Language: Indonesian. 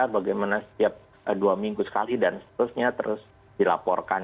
bagaimana setiap dua minggu sekali dan seterusnya terus dilaporkan